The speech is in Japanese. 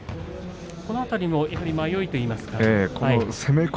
この辺りも迷いといいますか。